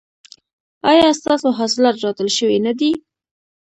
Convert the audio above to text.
ایا ستاسو حاصلات راټول شوي نه دي؟